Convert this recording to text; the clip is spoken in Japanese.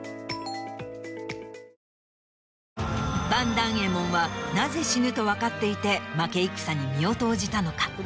団右衛門はなぜ死ぬと分かっていて負け戦に身を投じたのか？